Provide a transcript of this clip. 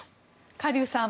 カ・リュウさん